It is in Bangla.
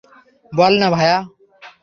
বল না ভায়া।